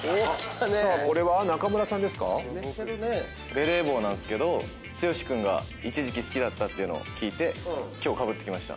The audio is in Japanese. ベレー帽なんですけど剛君が一時期好きだったっていうのを聞いて今日かぶってきました。